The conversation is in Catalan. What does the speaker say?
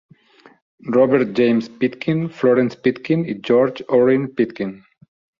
Robert James Pitkin, Florence Pitkin i George Orrin Pitkin.